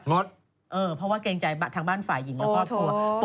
เพราะว่าเกรงใจทางบ้านฝ่ายหญิงและครอบครัว